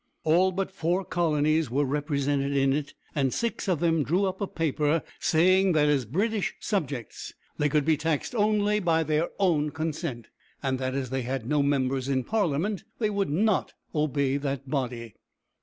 All but four colonies were represented in it, and six of them drew up a paper saying that as British subjects they could be taxed only by their own consent, and that as they had no members in Parliament, they would not obey that body.